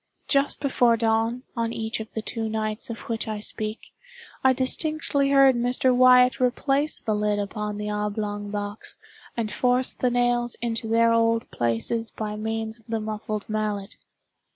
Just before dawn, on each of the two nights of which I speak, I distinctly heard Mr. Wyatt replace the lid upon the oblong box, and force the nails into their old places by means of the muffled mallet.